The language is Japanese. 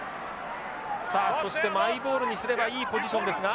さあそしてマイボールにすればいいポジションですが。